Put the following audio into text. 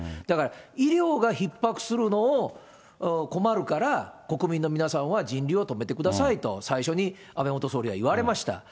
だから、医療がひっ迫するのを困るから、国民の皆さんは人流を止めてくださいと、安倍元総理は言われました。